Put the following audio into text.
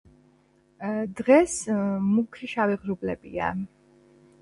დღეს მუქი, შავი ღრუბლებია.